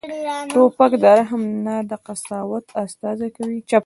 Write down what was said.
توپک د رحم نه، د قساوت استازی دی.